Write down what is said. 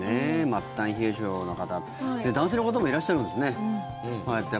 末端冷え性の方男性の方もいらっしゃるんですね